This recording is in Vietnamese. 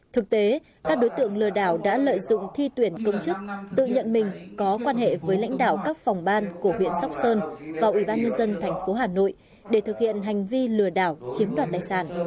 thực tế các đối tượng lừa đảo đã lợi dụng thi tuyển công chức tự nhận mình có quan hệ với lãnh đạo các phòng ban của huyện sóc sơn và ubnd tp hà nội để thực hiện hành vi lừa đảo chiếm đoạt tài sản